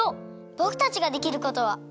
ぼくたちができることは。